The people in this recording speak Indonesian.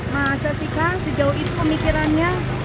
masa sih kan sejauh itu pemikirannya